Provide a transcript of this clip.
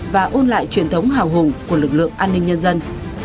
và ôn lại truyền thống hào hùng của lực lượng an ninh nhân dân